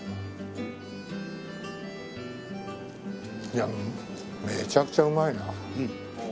いやめちゃくちゃうまいな。